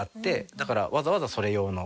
だからわざわざそれ用の服を。